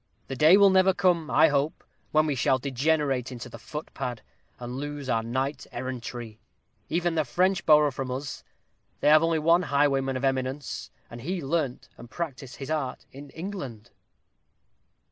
The day will never come, I hope, when we shall degenerate into the footpad, and lose our Night Errantry. Even the French borrow from us they have only one highwayman of eminence, and he learnt and practised his art in England."